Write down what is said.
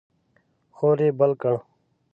اور یې بل کړ.